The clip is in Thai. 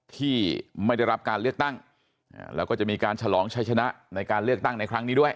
ที่ไม่ได้รับการเลือกตั้งแล้วก็จะมีการฉลองชัยชนะในการเลือกตั้งในครั้งนี้ด้วย